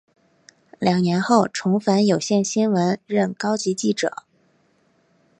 两年后重返有线新闻任高级记者。